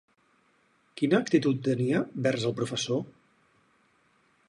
Quina actitud tenia vers el professor?